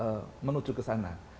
terus memang menuju ke sana